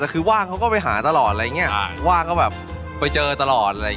แต่ก็คือว่างเขาก็ไปหาตลอดอะไรอย่างเงี้ย